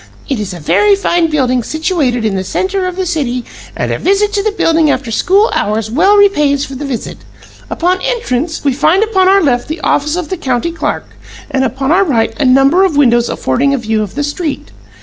It is a very fine building situated in the centre of the city, and a visit to the building after school hours well repays for the visit. Upon entrance we find upon our left the office of the county clerk and upon our right a number of windows affording a view of the street.